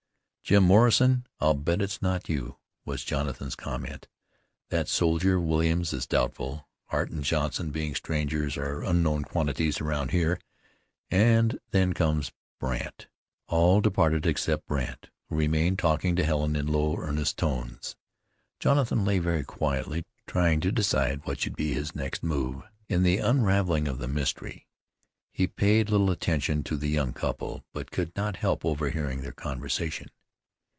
"Jim Morrison, I'll bet it's not you," was Jonathan's comment. "That soldier Williams is doubtful; Hart an' Johnson being strangers, are unknown quantities around here, an' then comes Brandt." All departed except Brandt, who remained talking to Helen in low, earnest tones. Jonathan lay very quietly, trying to decide what should be his next move in the unraveling of the mystery. He paid little attention to the young couple, but could not help overhearing their conversation.